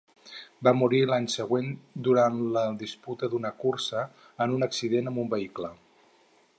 Va morir l'any següent durant la disputa d'una cursa en un accident amb un vehicle.